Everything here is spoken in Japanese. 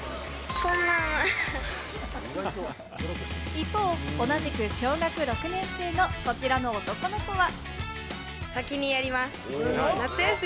一方、同じく小学６年生のこちらの男の子は。